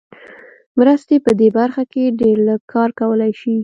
مرستې په دې برخه کې ډېر لږ کار کولای شي.